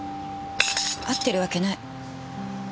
会ってるわけない。